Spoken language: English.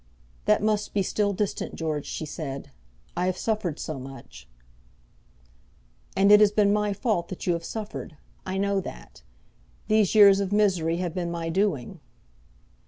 "That must be still distant, George," she said. "I have suffered so much!" "And it has been my fault that you have suffered; I know that. These years of misery have been my doing."